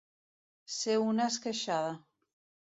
Ser una esqueixada.